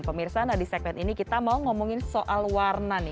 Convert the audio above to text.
pemirsa nah di segmen ini kita mau ngomongin soal warna nih